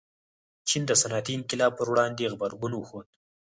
چین د صنعتي انقلاب پر وړاندې غبرګون وښود.